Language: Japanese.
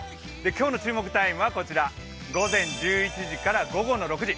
今日の注目タイムはこちら、午前１１時から午後の６時。